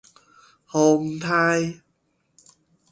颱風